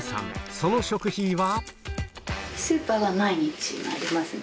その食費は？